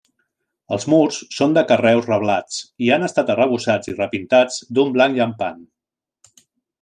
Els murs són de carreus reblats i han estat arrebossats i repintats d'un blanc llampant.